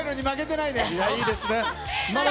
いいですね。